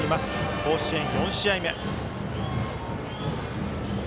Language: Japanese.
甲子園４試合目。